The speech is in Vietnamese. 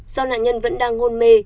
do nạn nhân vẫn đang ngôn mê